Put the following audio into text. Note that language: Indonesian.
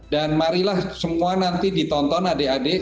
dan marilah semua nanti ditonton adik adik